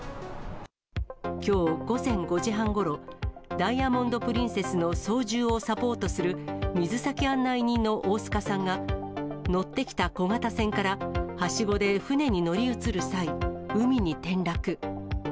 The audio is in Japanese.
きょう午前５時半ごろ、ダイヤモンド・プリンセスの操縦をサポートする水先案内人の大須賀さんが、乗ってきた小型船からはしごで船に乗り移る際、海に転落。